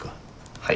はい。